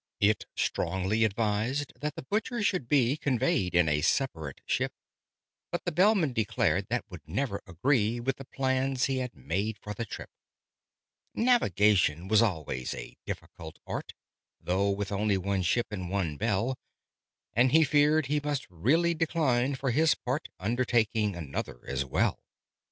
It strongly advised that the Butcher should be Conveyed in a separate ship: But the Bellman declared that would never agree With the plans he had made for the trip: Navigation was always a difficult art, Though with only one ship and one bell: And he feared he must really decline, for his part, Undertaking another as well.